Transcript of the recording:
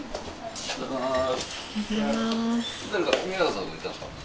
おはようございます。